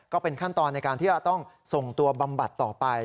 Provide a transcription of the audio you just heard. ก็เป็นขั้นตอนในการที่จะต้องส่งตัวบำบัดต่อไป